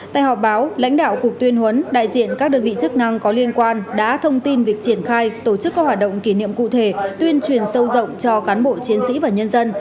tại họp báo lãnh đạo cục tuyên huấn đại diện các đơn vị chức năng có liên quan đã thông tin việc triển khai tổ chức các hoạt động kỷ niệm cụ thể tuyên truyền sâu rộng cho cán bộ chiến sĩ và nhân dân